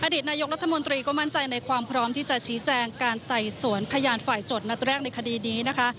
นายกรัฐมนตรีก็มั่นใจในความพร้อมที่จะชี้แจงการไต่สวนพยานฝ่ายจดนัดแรกในคดีนี้นะคะ